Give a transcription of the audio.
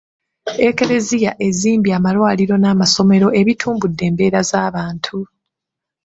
Eklezia ezimbye amalwaliro n'amasomero ebitumbudde embeera z’abantu.